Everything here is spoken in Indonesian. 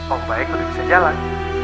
om baik belum bisa jalan